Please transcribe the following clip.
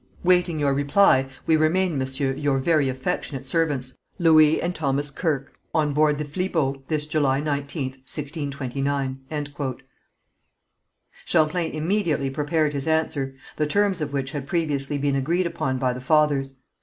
Waiting your reply, we remain, monsieur, your very affectionate servants, "Louis and Thomas Quer. "On board the Flibot, this July 19th, 1629." Champlain immediately prepared his answer, the terms of which had previously been agreed upon by the fathers.